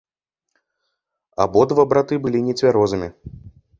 Абодва браты былі нецвярозымі.